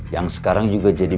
yang sekarang juga jadi